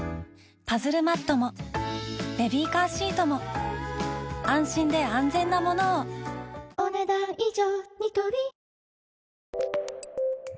パズルマットもベビーカーシートも安心で安全なものをお、ねだん以上。